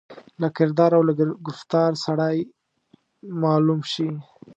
له کردار او له ګفتار سړای معلوم شي.